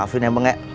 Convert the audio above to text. maafin ya bang ya